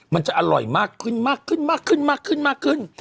มันจะอร่อยมากขึ้นมากขึ้นมากขึ้นมากขึ้น